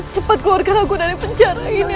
cepat keluarkan aku dari penjara ini